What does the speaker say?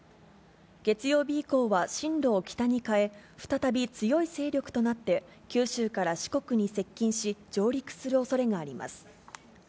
月曜日以降は、進路を北に変え、再び、強い勢力となって九州から四国に接近し、上陸するおそれがあります。